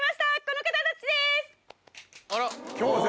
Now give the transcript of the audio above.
この方たちです！